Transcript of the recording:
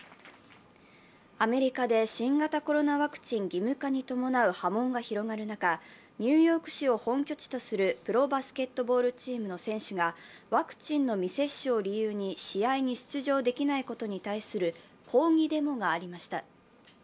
アメリカで新型コロナワクチン義務化に伴う波紋が広がる中、ニューヨーク市を本拠地とするプロバスケチームの選手がワクチンの未接種を理由に試合に出場できないことに対する抗議デモがありました。